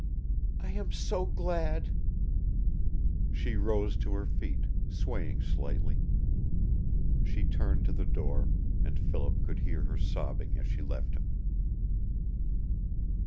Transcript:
"I am so glad " She rose to her feet, swaying slightly. She turned to the door, and Philip could hear her sobbing as she left him.